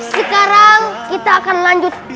sekarang kita akan lanjut